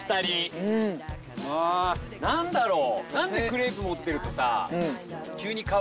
何だろう？